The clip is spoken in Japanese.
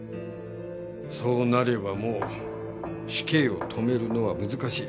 そうなればもう死刑を止めるのは難しい。